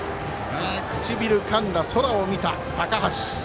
唇かんだ、空を見た、高橋。